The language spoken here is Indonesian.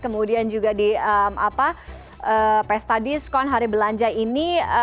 kemudian juga di pesta diskon hari belanja ini